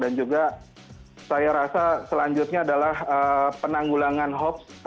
dan juga saya rasa selanjutnya adalah penanggulangan hoax